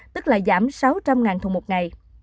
tức là giảm sáu trăm linh thùng một ngày